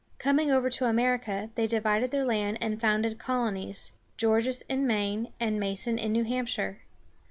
Coming over to America, they divided their land and founded colonies, Gorges in Maine and Mason in New Hamp´shire.